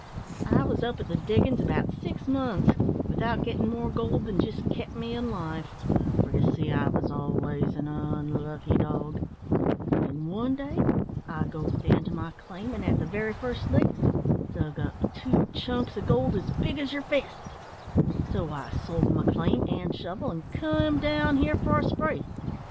"I was up at the diggin's about six months, without gittin' more gold than jist kep' me in life for, ye see, I was always an unlucky dog when one day I goes down to my claim, and, at the very first lick, dug up two chunks o' gold as big as yer fists; so I sold my claim and shovel, and came down here for a spree.